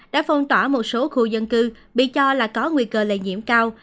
đã phong tỏa một số khu dân cư bị cho là có nguy cơ lây nhiễm cao